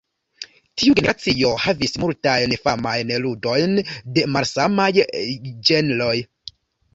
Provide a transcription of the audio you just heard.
Tiu generacio havis multajn famajn ludojn de malsamaj ĝenroj.